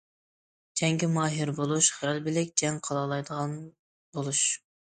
جەڭگە ماھىر بولۇش، غەلىبىلىك جەڭ قىلالايدىغان بولۇش.